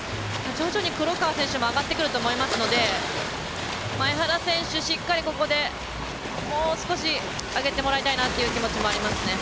徐々に黒川選手も上がってくると思いますのでしっかり、ここでもう少し上げてもらいたいなという気持ちありますね。